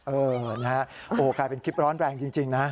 โอ้โฮใครเป็นคลิปร้อนแรงจริงนะ